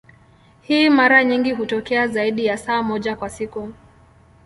Hii mara nyingi hutokea zaidi ya saa moja kwa siku.